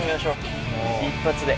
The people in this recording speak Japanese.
一発で。